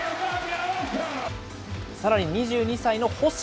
さらに２２歳の星。